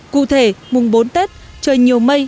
cụ thể mùng bốn tết trời nhiều mây